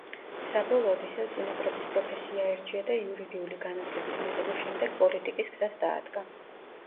საბოლოოდ ისევ წინაპრების პროფესია აირჩია და იურიდიული განათლების მიღების შემდეგ პოლიტიკის გზას დაადგა.